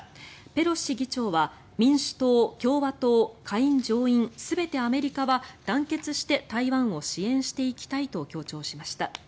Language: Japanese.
ペロシ議長は民主党、共和党、下院上院全てアメリカは団結して台湾を支援していきたいと強調しました。